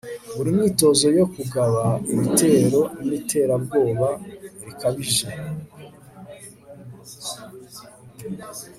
buri myitozo yo kugaba ibitero ni iterabwoba rikabije